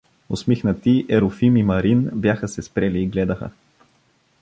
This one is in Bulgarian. Усмихнати, Ерофим и Марин бяха се спрели и гледаха.